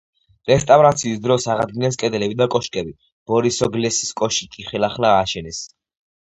რესტავრაციის დროს აღადგინეს კედლები და კოშკები, ბორისოგლების კოშკი კი ხელახლა ააშენეს.